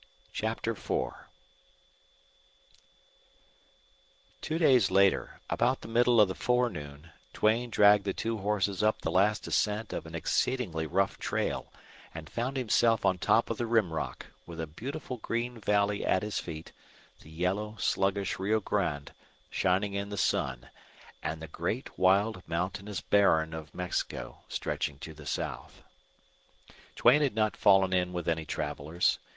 CHAPTER IV Two days later, about the middle of the forenoon, Duane dragged the two horses up the last ascent of an exceedingly rough trail and found himself on top of the Rim Rock, with a beautiful green valley at his feet, the yellow, sluggish Rio Grande shining in the sun, and the great, wild, mountainous barren of Mexico stretching to the south. Duane had not fallen in with any travelers.